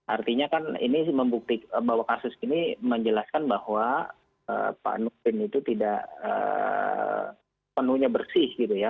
artinya kan ini membuktikan bahwa kasus ini menjelaskan bahwa pak nurdin itu tidak penuhnya bersih gitu ya